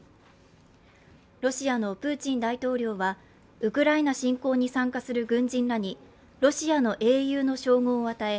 ロシアのプーチン大統領は、ウクライナ侵攻に参加する軍人らにロシアの英雄の称号を与え